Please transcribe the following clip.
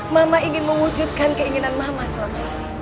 mama ingin mewujudkan keinginan mama selama ini